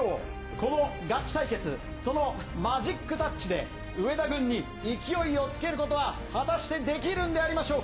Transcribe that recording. このガチ対決、そのマジックタッチで、上田軍に勢いをつけることは、果たしてできるんでありましょう